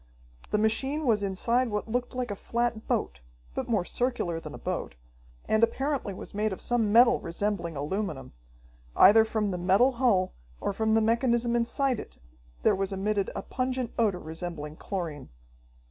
The machine was inside what looked like a flat boat, but more circular than a boat, and apparently was made of some metal resembling aluminum. Either from the metal hull or from the mechanism inside it there was emitted a pungent odor resembling chlorine.